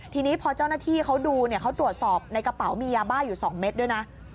ทีนี้พอเจ้าหน้าที่เขาดูเนี่ยเขาตรวจสอบในกระเป๋ามียาบ้าอยู่๒เม็ดด้วยนะ